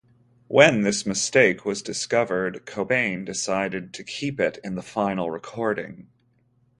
When this mistake was discovered, Cobain decided to keep it in the final recording.